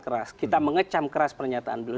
keras kita mengecam keras pernyataan beliau